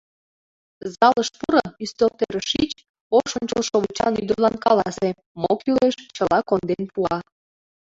Залыш пуро, ӱстелтӧрыш шич, ош ончылшовычан ӱдырлан каласе — мо кӱлеш, чыла конден пуа.